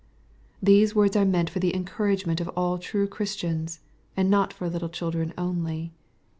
These words are meant for the encouragement of all true Christians, and not for little children only.